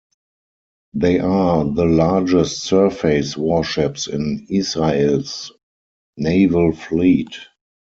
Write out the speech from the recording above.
They are the largest surface warships in Israel's naval fleet.